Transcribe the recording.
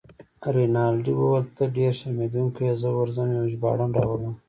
رینالډي وویل: ته ډیر شرمېدونکی يې، زه ورځم یو ژباړن راولم.